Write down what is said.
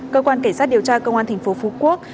cơ quan cảnh sát điều tra công an tp phú quốc